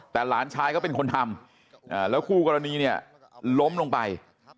แต่หลานชายก็เป็นคนทำแล้วคู่กรณีเนี่ยล้มลงไป